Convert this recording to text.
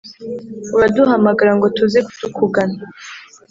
uraduhamagara ngo tuze tukugana.